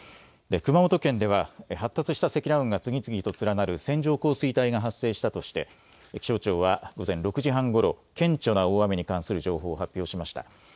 熊本県では発達した積乱雲が次々と連なる線状降水帯が発生したとして気象庁は午前６時半ごろ顕著な大雨に関する情報を発表しました。